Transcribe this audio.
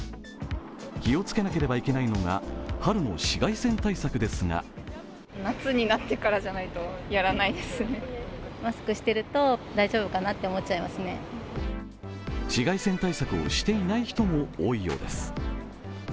気をつけなければいけないのが春の紫外線対策ですが紫外線対策をしていない人も多いようです。